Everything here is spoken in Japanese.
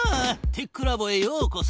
テックラボへようこそ。